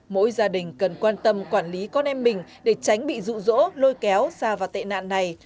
mỗi gia đình cần quan tâm quản lý con em mình để tránh bị rụ rỗ lôi kéo xa vào tệ nạn này